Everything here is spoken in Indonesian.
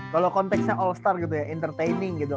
kalau konteksnya all star gitu ya